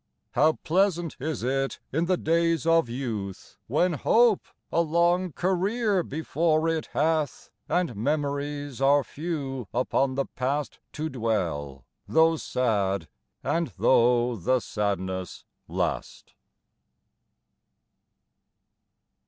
How pleasant is it, in the days of youth, When hope a long career before it hath, And memories are few, upon the past To dwell, though sad, and though the sadness last!